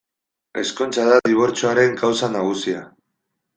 Ezkontza da dibortzioaren kausa nagusia.